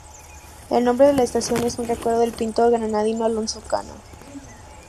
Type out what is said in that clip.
El nombre de la estación es en recuerdo del pintor granadino Alonso Cano.